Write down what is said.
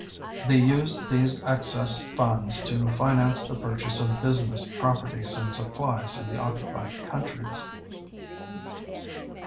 They used these excess funds to finance the purchase of business properties and supplies in the occupied countries.